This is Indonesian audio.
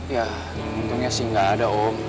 ya untungnya sih nggak ada om